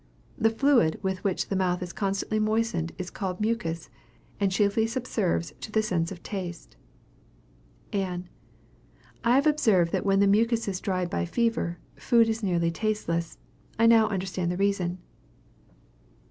The fluid with which the mouth is constantly moistened is called mucus, and chiefly subserves to the sense of taste. Ann. I have observed that when the mucus is dried by fever, food is nearly tasteless. I now understand the reason.